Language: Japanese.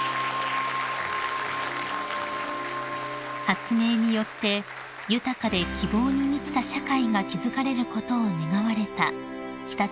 ［発明によって豊かで希望に満ちた社会が築かれることを願われた常陸宮さまです］